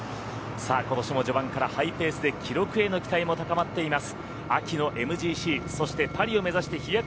今年も序盤からハイペースで記録への期待も高まっています。